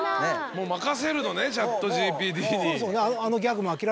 もう任せるのねＣｈａｔＧＰＴに。